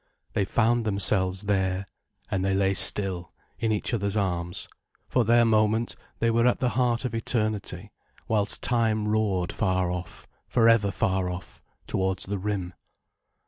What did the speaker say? They found themselves there, and they lay still, in each other's arms; for their moment they were at the heart of eternity, whilst time roared far off, for ever far off, towards the rim.